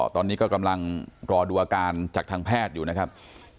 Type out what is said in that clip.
ตอนนี้ก็กำลังรอดูอาการจากทางแพทย์อยู่นะครับ